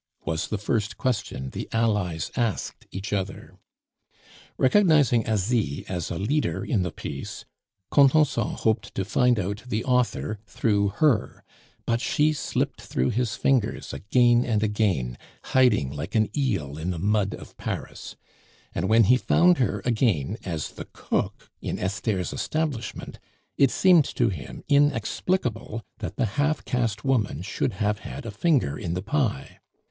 was the first question the allies asked each other. Recognizing Asie as a leader in the piece, Contenson hoped to find out the author through her; but she slipped through his fingers again and again, hiding like an eel in the mud of Paris; and when he found her again as the cook in Esther's establishment, it seemed to him inexplicable that the half caste woman should have had a finger in the pie.